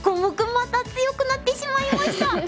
また強くなってしまいました！